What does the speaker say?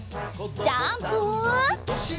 ジャンプ！